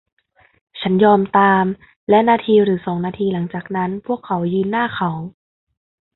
ฉันยอมตาม และนาทีหรือสองนาทีหลังจากนั้นพวกเขายืนหน้าเขา